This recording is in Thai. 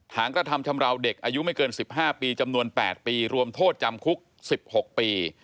กระทำชำราวเด็กอายุไม่เกิน๑๕ปีจำนวน๘ปีรวมโทษจำคุก๑๖ปี